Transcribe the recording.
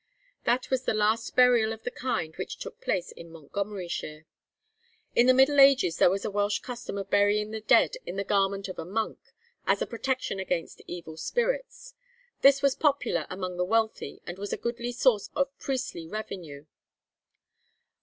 That was the last burial of the kind which took place in Montgomeryshire. In the middle ages there was a Welsh custom of burying the dead in the garment of a monk, as a protection against evil spirits. This was popular among the wealthy, and was a goodly source of priestly revenue.